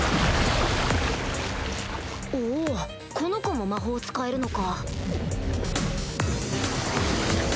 おこの子も魔法を使えるのか